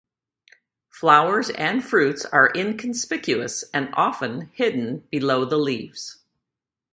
Flowers and fruits are inconspicuous and often hidden below the leaves.